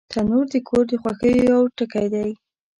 تنور د کور د خوښیو یو ټکی دی